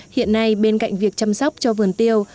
hiện nay bên cạnh việc chăm sóc cho vườn tiêu